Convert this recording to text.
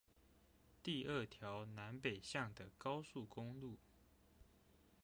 第二條南北向的高速公路